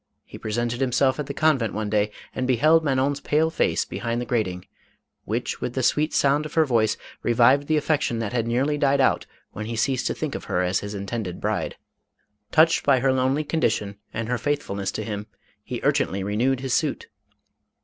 He presented himself at the convent one day, and beheld Manon's pale face behind 494 MADAME ROLAND. the grating, which, with the sweet sound of her voice, revived the affection that had nearly died out when he ceased to think of her as his intended bride. Touched by her lonely condition and her faithfulness to him, he urgently renewed his suit.